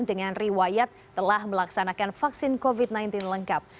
dengan riwayat telah melaksanakan vaksin covid sembilan belas lengkap